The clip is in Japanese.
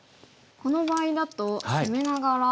この場合だと攻めながら。